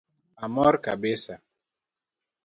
Amor kabisa